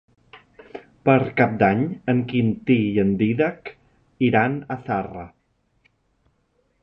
Per Cap d'Any en Quintí i en Dídac iran a Zarra.